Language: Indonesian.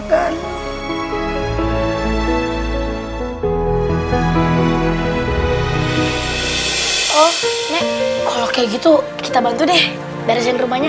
sebenarnya kalau kaya gitu kita bantu deh beresin rumahnya